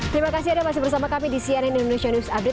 terima kasih anda masih bersama kami di cnn indonesia news update